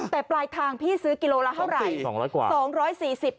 แต่ปลายทางพี่ซื้อกิโลละเท่าไหร่